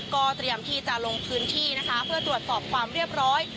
ก็เตรียมที่จะลงพื้นที่นะคะเพื่อตรวจสอบความเรียบร้อย